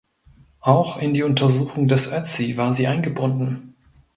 Auch in die Untersuchung des „Ötzi“ war sie eingebunden.